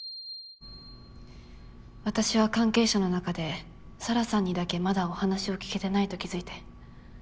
私は関係者の中で紗良さんにだけまだお話を聞けてないと気付いて。